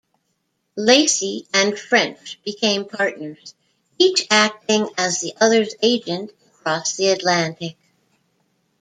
Lacy and French became partners, each acting as the other's agent across the Atlantic.